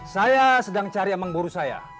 saya sedang cari emang guru saya